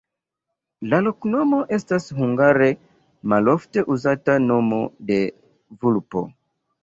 La loknomo estas hungare malofte uzata nomo de vulpo.